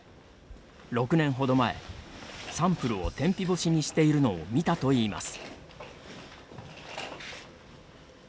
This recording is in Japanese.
６年ほど前、サンプルを天日干しにしているのを見たといいます。